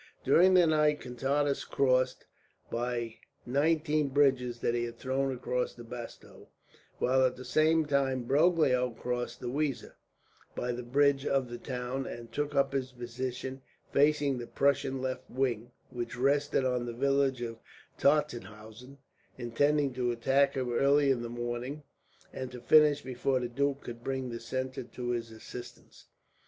During the night Contades crossed, by nineteen bridges that he had thrown across the Bastau; while at the same time Broglio crossed the Weser, by the bridge of the town, and took up his position facing the Prussian left wing, which rested on the village of Todtenhausen, intending to attack him early in the morning, and to finish before the duke could bring the centre to his assistance.